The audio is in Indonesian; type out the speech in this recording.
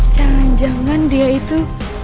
jangan jangan dia itu